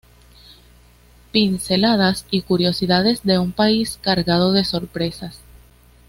Pinceladas y curiosidades de un país cargado de sorpresas.